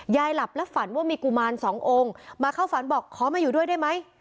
หลับแล้วฝันว่ามีกุมารสององค์มาเข้าฝันบอกขอมาอยู่ด้วยได้ไหม